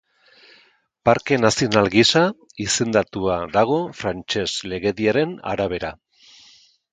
Parke nazional gisa izendatua dago frantses legediaren arabera.